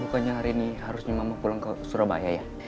bukannya hari ini harusnya mama pulang ke surabaya ya